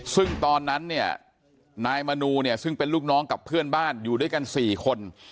ซึ่งตอนนั้นเนี่ยนายมนูเนี่ยซึ่งเป็นลูกน้องกับเพื่อนบ้านอยู่ด้วยกัน๔คน